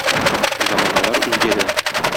Заманалар үзгәрә.